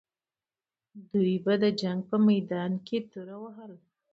دوی به د جنګ په میدان کې توره وهله.